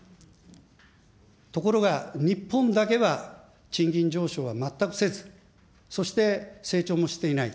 ところが日本だけは賃金上昇は全くせず、そして成長もしていない。